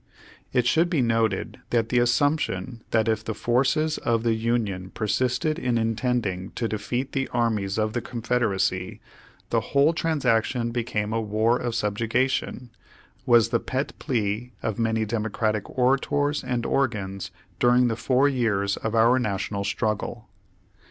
It should be noted that the assumption that if the forces of the Union persisted in intending to defeat the armies of the Confederacy, the whole transaction became a "war of subjugation," was the pet plea of many Democratic orators and organs during the four years of our National struggle.